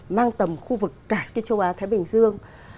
mang tầm khu vực cả cái châu á thái bình dương